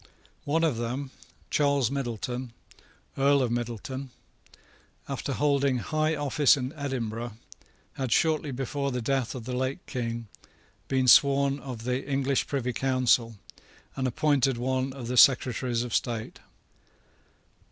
One of them, Charles Middleton, Earl of Middleton, after holding high office at Edinburgh, had, shortly before the death of the late King, been sworn of the English Privy Council, and appointed one of the Secretaries of State.